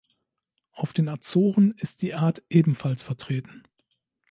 Auf den Azoren ist die Art ebenfalls vertreten.